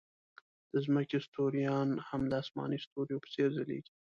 د ځمکې ستوریان هم د آسماني ستوریو په څېر ځلېږي.